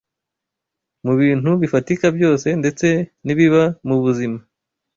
Mu bintu bifatika byose ndetse n’ibiba mu buzima